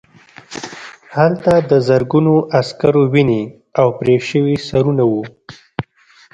هلته د زرګونو عسکرو وینې او پرې شوي سرونه وو